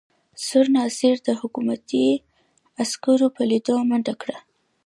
سور ناصر د حکومتي عسکرو په لیدو منډه کړه.